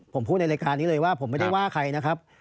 ผมพูดในรายการนี้เลยว่าผมไม่ได้ว่าใครนะครับ